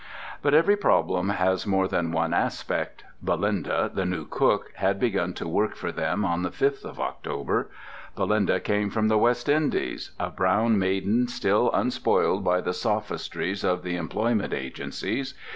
But every problem has more than one aspect. Belinda, the new cook, had begun to work for them on the fifth of October. Belinda came from the West Indies, a brown maiden still unspoiled by the sophistries of the employment agencies.